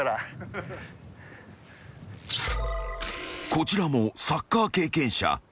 ［こちらもサッカー経験者］